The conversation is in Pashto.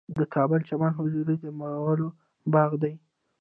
د کابل چمن حضوري د مغلو باغ دی